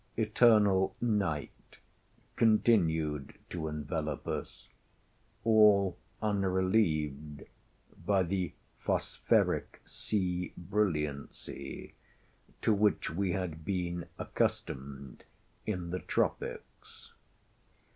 Eternal night continued to envelop us, all unrelieved by the phosphoric sea brilliancy to which we had been accustomed in the tropics.